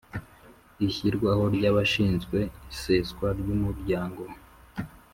Ishyirwaho ry abashinzwe iseswa ry umuryango